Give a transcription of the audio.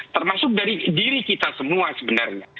termasuk dari diri kita semua sebenarnya